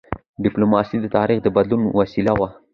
ډيپلوماسي د تاریخ د بدلون وسیله وه.